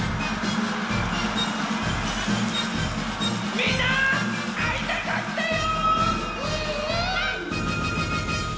みんなあいたかったよ！